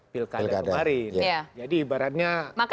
pilkada kemarin jadi ibaratnya